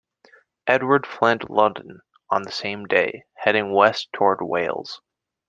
Edward fled London on the same day, heading west toward Wales.